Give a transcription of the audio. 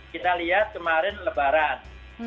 kita lihat kemarin lebaran